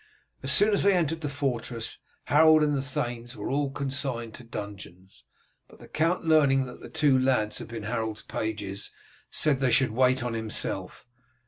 As soon as they entered the fortress Harold and the thanes were all consigned to dungeons, but the count, learning that the two lads had been Harold's pages, said they should wait on himself.